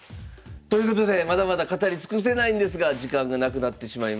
ということでまだまだ語り尽くせないんですが時間がなくなってしまいました。